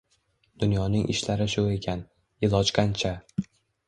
Dunyoning ishlari shu ekan, iloj qancha?